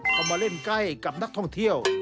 เข้ามาเล่นใกล้กับนักท่องเที่ยว